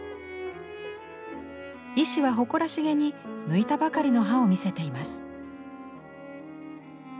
医師は誇らしげに抜いたばかりの歯を見せています。